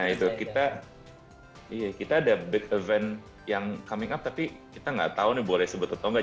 nah itu kita kita ada big event yang coming up tapi kita gak tahu nih boleh sebut atau enggak